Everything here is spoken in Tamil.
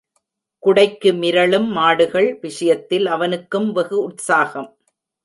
குடைக்கு மிரளும் மாடுகள் விஷயத்தில் அவனுக்கும் வெகு உற்சாகம்.